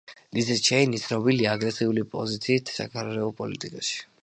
ლიზ ჩეინი ცნობილია აგრესიული პოზიციით საგარეო პოლიტიკაში.